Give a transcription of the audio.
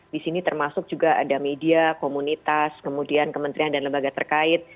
di sini termasuk juga ada media komunitas kemudian kementerian dan lembaga terkait